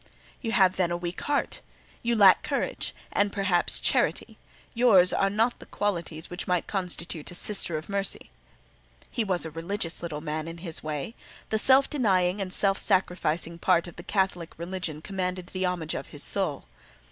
"You have, then, a weak heart! You lack courage; and, perhaps, charity. Yours are not the qualities which might constitute a Sister of Mercy." [He was a religious little man, in his way: the self denying and self sacrificing part of the Catholic religion commanded the homage of his soul.